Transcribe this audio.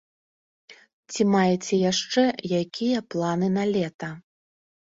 Ці маеце яшчэ якія планы на лета?